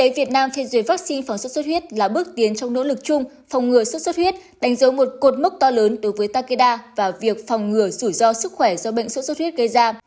vắc xin xuất xuất huyết đánh dấu một cột mốc to lớn đối với takeda và việc phòng ngừa sủi do sức khỏe do bệnh xuất xuất huyết gây ra